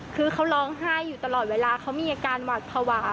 คือเขาร้องไห้อยู่ตลอดเวลาเขามีอาการหวัดภาวะ